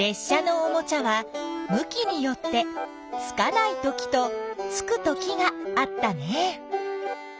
車のおもちゃは向きによってつかないときとつくときがあったね。